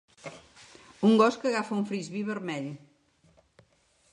Un gos que agafa un Frisbee vermell.